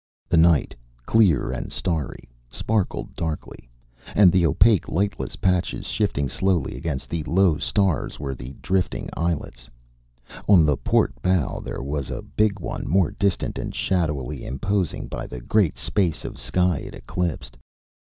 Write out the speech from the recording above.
The night, clear and starry, sparkled darkly, and the opaque, lightless patches shifting slowly against the low stars were the drifting islets. On the port bow there was a big one more distant and shadowily imposing by the great space of sky it eclipsed.